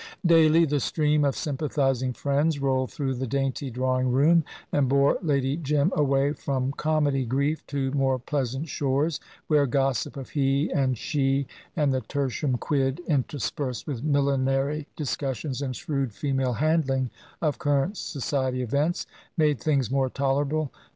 Daily the stream of sympathising friends rolled through the dainty drawing room, and bore Lady Jim away from comedy grief to more pleasant shores, where gossip of he and she and the "tertium quid," interspersed with millinery discussions and shrewd female handling of current society events, made things more tolerable.